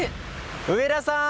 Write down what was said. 上田さーん！